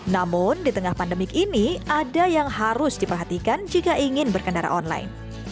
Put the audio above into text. namun di tengah pandemik ini ada yang harus diperhatikan jika ingin berkendara online